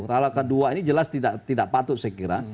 hal kedua ini jelas tidak patut saya kira